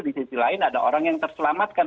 di sisi lain ada orang yang terselamatkan